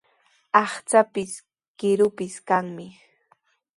Aqchaapis, kiruupis kanmi.